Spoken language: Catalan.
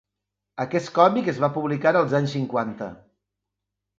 Aquest còmic es va publicar als anys cinquanta.